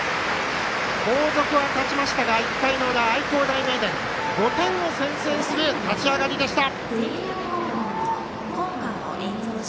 後続は断ちましたが、１回の裏愛工大名電、５点を先制する立ち上がりでした。